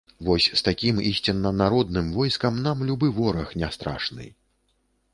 Вось з такім ісцінна народным войскам нам любы вораг не страшны.